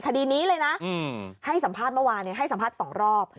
คดีนี้เลยนะให้สัมภาษณ์เมื่อวานให้สัมภาษณ์๒รอบ